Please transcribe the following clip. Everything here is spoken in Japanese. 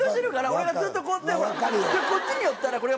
こっちに寄ったらこれが。